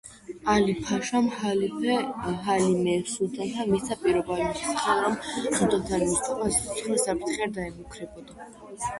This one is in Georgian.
ალი-ფაშამ ჰალიმე სულთანს მისცა პირობა იმის შესახებ, რომ სულთან მუსტაფას სიცოცხლეს საფრთხე არ დაემუქრებოდა.